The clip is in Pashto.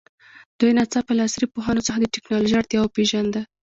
دوی ناڅاپه له عصري پوهنو څخه د تکنالوژي اړتیا وپېژانده.